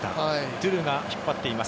トゥルが引っ張っています。